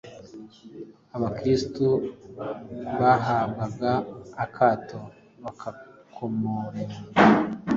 Abakristu bahabwaga akato, bakomorewe